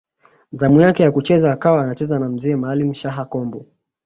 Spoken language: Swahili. Zamu yake kucheza akawa anacheza na Mzee Maalim Shaha Kombo